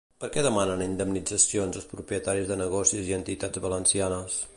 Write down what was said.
Per què demanen indemnitzacions els propietaris de negocis i entitats valencianes?